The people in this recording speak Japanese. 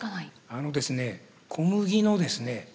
あのですね小麦のですね